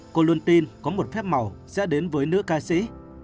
cô luôn tin có một phép màu sẽ đến với nữ ca sĩ